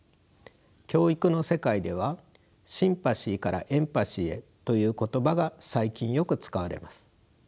教育の世界ではシンパシーからエンパシーへという言葉が最近よく使われます。